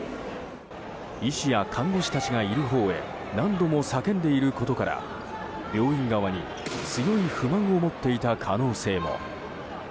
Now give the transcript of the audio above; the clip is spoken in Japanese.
医師や看護師たちがいるほうへ何度も叫んでいることから病院側に強い不満を持っていた可能性も。